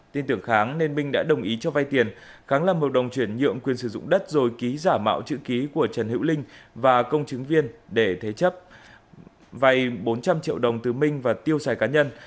tin tưởng kháng nên minh đã đồng ý cho vay tiền kháng làm hợp đồng chuyển nhượng quyền sử dụng đất rồi ký giả mạo chữ ký của trần hữu linh và công chứng viên để thế chấp vay bốn trăm linh triệu đồng từ minh và tiêu xài cá nhân